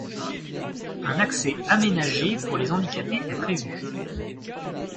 Un accès aménagé pour les handicapés est prévu.